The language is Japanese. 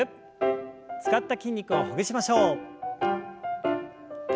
使った筋肉をほぐしましょう。